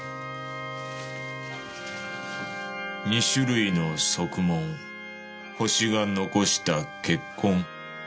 ２種類の足紋ホシが残した血痕。